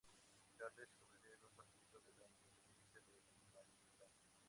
Charles se convirtió en un partidario de la independencia de Maryland.